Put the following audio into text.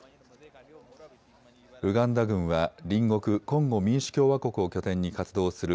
ウガンダ軍は隣国コンゴ民主共和国を拠点に活動する